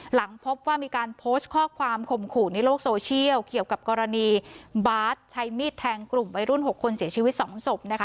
หลังพบว่ามีการโพสต์ข้อความข่มขู่ในโลกโซเชียลเกี่ยวกับกรณีบาสใช้มีดแทงกลุ่มวัยรุ่น๖คนเสียชีวิต๒ศพนะคะ